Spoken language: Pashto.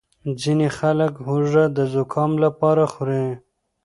ځینې خلک هوږه د زکام لپاره خوري.